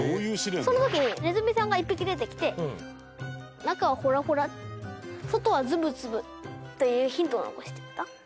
その時ネズミさんが１匹出てきて「内はほらほら外はすぶすぶ」というヒントを残していった。